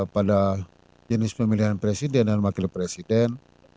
pada jenis pemilihan presiden dan wakil presiden